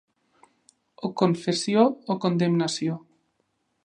O confessió o condemnació.